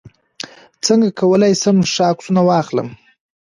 څنګه کولی شم ښه عکسونه واخلم